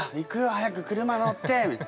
早く車乗って！」。